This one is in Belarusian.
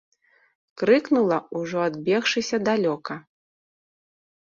Крыкнула, ужо адбегшыся далёка.